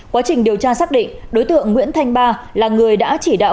quá trình điều tra xác định đối tượng nguyễn thanh ba là người đã chỉ đạo